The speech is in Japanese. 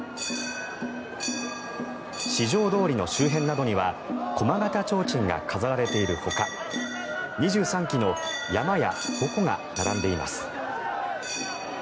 四条通の周辺などには駒形ちょうちんが飾られているほか２３基の山やほこが並んでいます。